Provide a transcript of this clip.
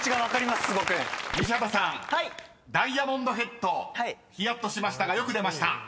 ［西畑さんダイヤモンドヘッドひやっとしましたがよく出ました］